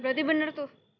berarti bener tuh